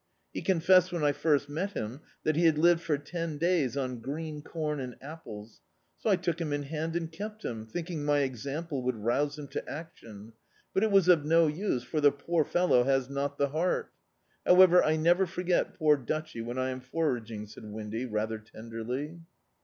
He cmfessed, when I first met him, that he had lived for ten days on green com and apples, 50 I took him in hand and kept him, think ing my example would rouse him to action, but it was of no use, for the poor fellow has not the heart However, I never foi^t poor Dutchy when I am foraging," said Windy, rather tenderly.